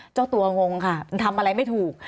เจ้าตัวงงค่ะทำอะไรไม่ถูก